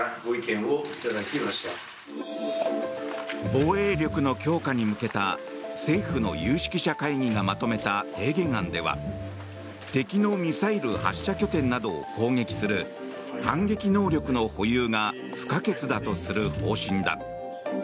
防衛力の強化に向けた政府の有識者会議がまとめた提言案では敵のミサイル発射拠点などを攻撃する反撃能力の保有が不可欠だとする方針だ。